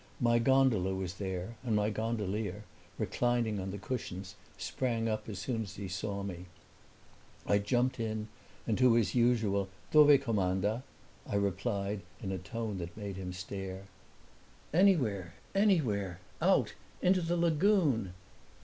My gondola was there and my gondolier, reclining on the cushions, sprang up as soon as he saw me. I jumped in and to his usual "Dove commanda?" I replied, in a tone that made him stare, "Anywhere, anywhere; out into the lagoon!"